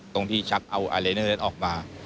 ตรงที่ชักเอาอายไลเนอร์ออกมา